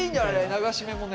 流し目もね。